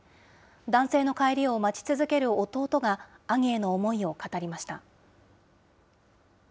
男性の帰りを待ち続ける弟が、兄への思いを語りました。